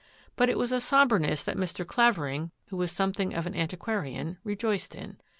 But it was a sombreness that Mr. Clavering, who was something of an antiquarian, rejoiced in.